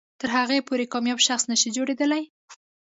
تر هغې پورې کامیاب شخص نه شئ جوړېدلی.